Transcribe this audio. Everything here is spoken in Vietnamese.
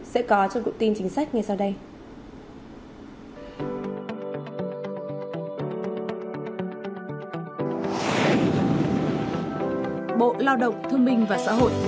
sẽ có trong cụm tin chính sách ngay sau đây